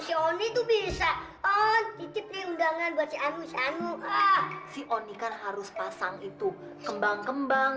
sioni itu bisa oh titip nih undangan buat si amu si amu ah si oni kan harus pasang itu kembang kembang